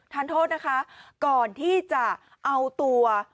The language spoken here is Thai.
ทานโทษนะคะก่อนที่จะเอาตัว